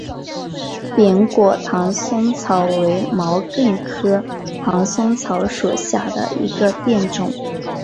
扁果唐松草为毛茛科唐松草属下的一个变种。